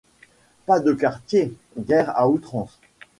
Pas de quartier, guerre à outrance!